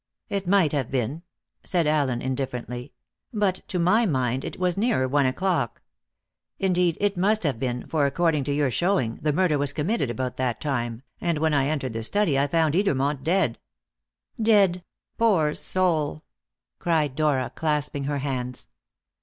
"It might have been," said Allen indifferently; "but to my mind it was nearer one o'clock. Indeed, it must have been, for, according to your showing, the murder was committed about that time, and when I entered the study I found Edermont dead." "Dead! Poor soul!" cried Dora, clasping her hands.